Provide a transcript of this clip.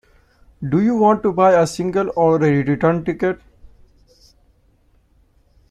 Do you want to buy a single or a return ticket?